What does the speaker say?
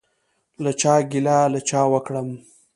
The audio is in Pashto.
له چا ګیله له چا وکړم؟